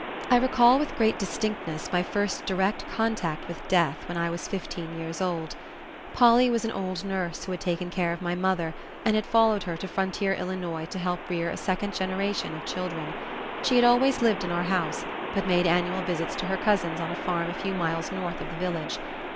I recall with great distinctness my first direct contact with death when I was fifteen years old: Polly was an old nurse who had taken care of my mother and had followed her to frontier Illinois to help rear a second generation of children. She had always lived in our house, but made annual visits to her cousins on a farm a few miles north of the village.